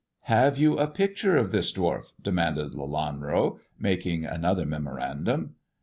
" Have you a picture of this dwarf ]" demanded Lelanro, making another memorandum.